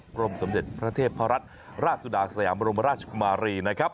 กรมสมเด็จพระเทพรัตนราชสุดาสยามรมราชกุมารีนะครับ